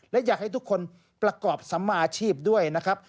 และอยากให้ทุกคนประกอบสัมมาชีพด้วยนะครับ